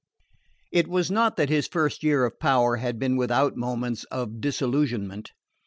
It was not that his first year of power had been without moments of disillusionment.